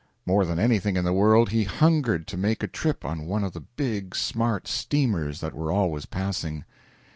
More than anything in the world he hungered to make a trip on one of the big, smart steamers that were always passing.